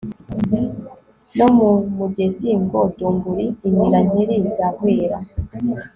no mu mugezi ngo « dumbuli!» imira nkeli, rahwera